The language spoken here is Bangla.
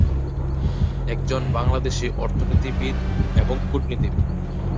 একজন বাংলাদেশী অর্থনীতিবিদ এবং কূটনীতিবিদ।